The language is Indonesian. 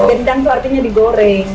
gendang itu artinya digoreng